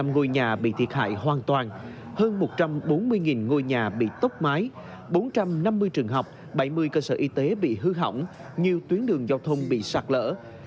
ba trăm hai mươi năm ngôi nhà bị thiệt hại hoàn toàn hơn một trăm bốn mươi ngôi nhà bị tốc mái bốn trăm năm mươi trường học bảy mươi cơ sở y tế bị hư hỏng nhiều tuyến đường giao thông bị sạc lỡ